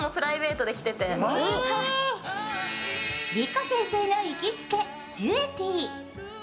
莉子先生の行きつけジュエティ。